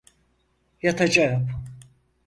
Yatacağım.